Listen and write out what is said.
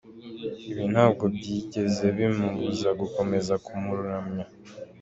Ibi ntabwo byigeze bimubuza gukomeza kumuramya.